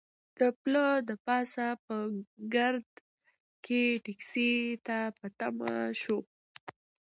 د پله د پاسه په ګرد کې ټکسي ته په تمه شوو.